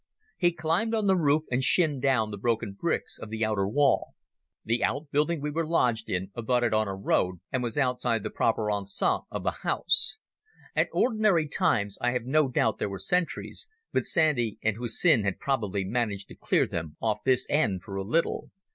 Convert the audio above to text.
He climbed on the roof and shinned down the broken bricks of the outer wall. The outbuilding we were lodged in abutted on a road, and was outside the proper enceinte of the house. At ordinary times I have no doubt there were sentries, but Sandy and Hussin had probably managed to clear them off this end for a little.